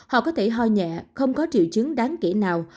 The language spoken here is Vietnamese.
họ có thể ho nhẹ không có triệu chứng đáng kể nào